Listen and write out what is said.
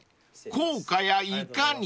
効果やいかに］